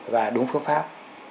và đúng phương pháp